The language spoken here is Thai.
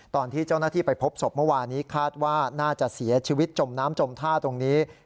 ตอนที่เจ้าหน้าที่ไปพบศพเมื่อวานี้คาดว่าน่าจะเสียชีวิตจมน้ำจมท่าตรงนี้